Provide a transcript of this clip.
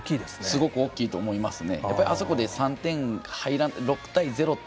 すごく大きいと思いますね。